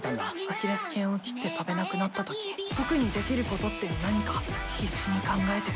アキレスけんを切って跳べなくなった時僕にできることって何か必死に考えて。